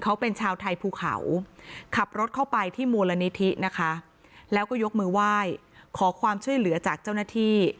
เขาเป็นชาวไทยภูเขาขับรถเข้าไปที่มูลนิธินะคะแล้วก็ยกมือไหว้ขอความช่วยเหลือจากเจ้าหน้าที่